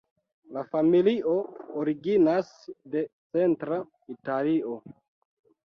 La familio originas de centra Italio.